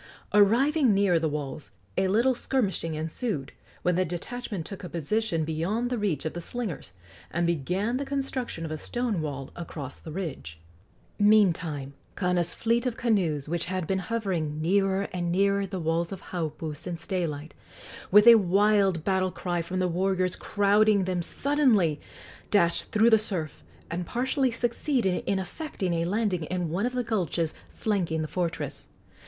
Arriving near the walls, a little skirmishing ensued, when the detachment took a position beyond the reach of the slingers, and began the construction of a stone wall across the ridge. Meantime Kana's fleet of canoes, which had been hovering nearer and nearer the walls of Haupu since daylight, with a wild battle cry from the warriors crowding them suddenly dashed through the surf, and partially succeeded in effecting a landing in one of the gulches flanking the fortress.